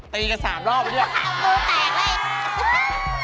ตีกัน๓รอบเลย